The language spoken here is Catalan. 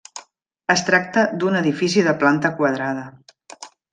Es tracta d'un edifici de planta quadrada.